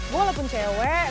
gue walaupun cewek